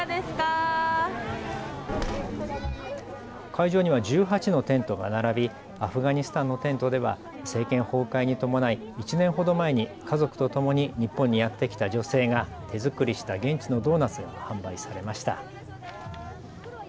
会場には１８のテントが並びアフガニスタンのテントでは政権崩壊に伴い、１年ほど前に家族とともに日本にやって来た女性が手作りした現地のドーナツが販売されました。